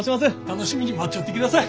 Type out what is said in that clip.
楽しみに待っちょってください。